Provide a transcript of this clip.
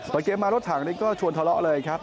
เกมมารถถังนี้ก็ชวนทะเลาะเลยครับ